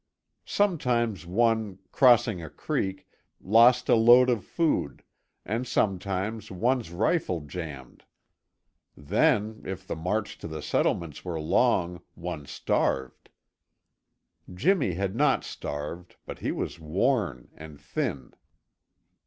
Sometimes one, crossing a creek, lost a load of food, and sometimes one's rifle jambed. Then, if the march to the settlements were long, one starved. Jimmy had not starved, but he was worn and thin.